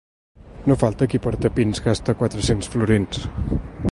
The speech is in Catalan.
No falta qui per tapins gasta quatre-cents florins.